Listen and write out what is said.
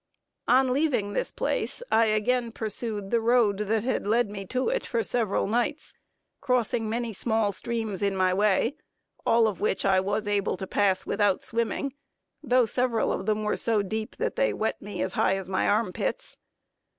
On leaving this place, I again pursued the road that had led me to it for several nights; crossing many small streams in my way, all of which I was able to pass without swimming, though several of them were so deep that they wet me as high as my arm pits.